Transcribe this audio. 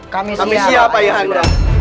kami siap ayah anda